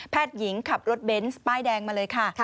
หญิงขับรถเบนส์ป้ายแดงมาเลยค่ะ